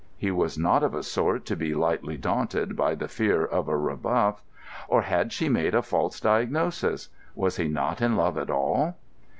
He was not of a sort to be lightly daunted by the fear of a rebuff. Or had she made a false diagnosis? Was he not in love at all?